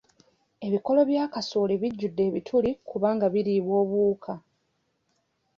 Ebikoola bya kasooli bijjudde ebituli kubanga biriibwa obuwuka.